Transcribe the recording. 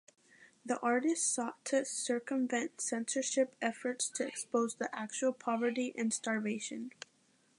The artists sought to circumvent censorship efforts to expose the actual poverty and starvation.